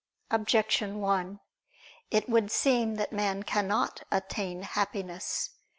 Objection 1: It would seem that man cannot attain happiness.